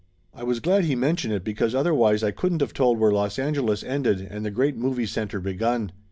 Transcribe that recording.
I was glad he mentioned it because otherwise I couldn't of told where Los Angeles ended and the great movie center begun.